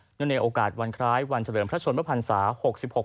เนื่องในโอกาสวันคล้ายวันเฉลิมพระชนวภัณฑ์ศาสตร์